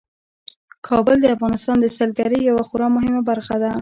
کابل د افغانستان د سیلګرۍ یوه خورا مهمه برخه ده.